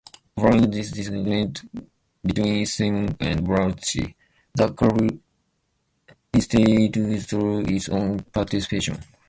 Following this disagreement between Simon and Barrucci, the Kirby estate withdrew its own participation.